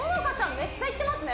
めっちゃいってますね